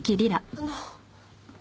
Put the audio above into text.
あの。